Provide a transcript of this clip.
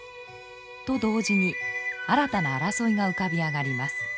と同時に新たな争いが浮かび上がります。